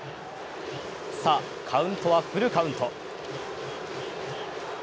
さあ、カウントはフルカウント。